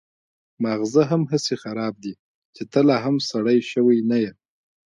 ماغزه مې هسې هم خراب دي چې ته لا هم سړی شوی نه يې.